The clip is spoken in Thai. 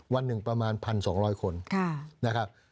วันหนึ่งประมาณ๑๒๐๐คนนะครับ